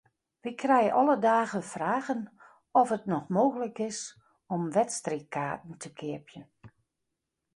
Wy krije alle dagen fragen oft it noch mooglik is om wedstriidkaarten te keapjen.